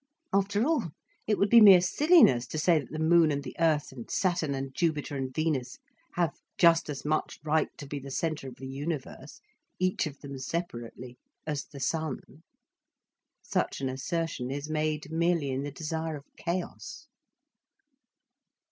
After all, it would be mere silliness to say that the moon and the earth and Saturn and Jupiter and Venus have just as much right to be the centre of the universe, each of them separately, as the sun. Such an assertion is made merely in the desire of chaos.